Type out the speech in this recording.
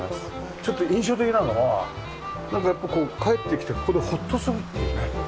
ちょっと印象的なのはなんかやっぱこう帰ってきてここでホッとするっていうね